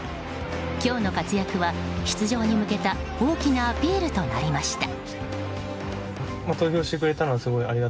今日の活躍は出場に向けた大きなアピールとなりました。